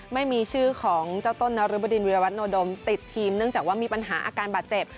ไม่มีชื่อของเจ้าต้นนรบดินวิรวัตโนดมติดทีมเนื่องจากว่ามีปัญหาอาการบาดเจ็บ